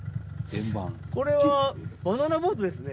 これはバナナボートですね。